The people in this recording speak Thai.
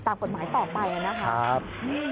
ตามกฎหมายต่อไปนะครับ